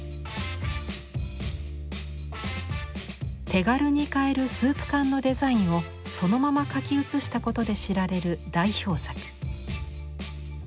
手軽に買えるスープ缶のデザインをそのまま描き写したことで知られる代表作。